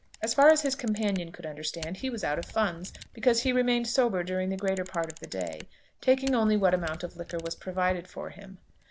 As far as his companion could understand he was out of funds, because he remained sober during the greater part of the day, taking only what amount of liquor was provided for him.